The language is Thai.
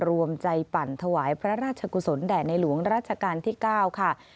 รวมใจปั่นถวายพระราชกุศลแด่ในหลวงราชการที่๙ค่ะ